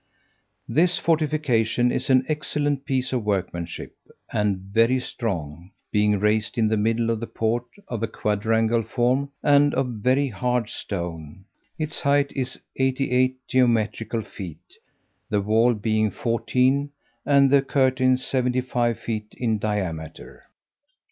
This fortification is an excellent piece of workmanship, and very strong, being raised in the middle of the port of a quadrangular form, and of very hard stone: its height is eighty eight geometrical feet, the wall being fourteen, and the curtains seventy five feet diameter.